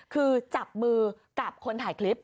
คือจับมือกับคนถ่ายคลิป